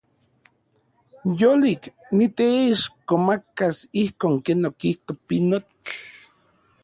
Yolik. Niteixkomakas ijkon ken okijto pinotl.